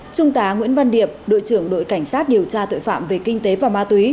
trung tá nguyễn văn điệp đội trưởng đội cảnh sát điều tra tội phạm về kinh tế và ma túy